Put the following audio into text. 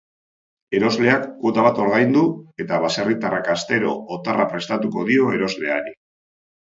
Erosleak kuota bat ordaindu, eta baserritarrak astero otarra prestatuko dio erosleari.